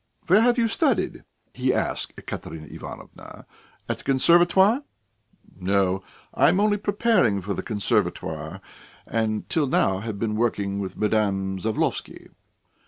"Where have you studied?" he asked Ekaterina Ivanovna. "At the Conservatoire?" "No, I am only preparing for the Conservatoire, and till now have been working with Madame Zavlovsky."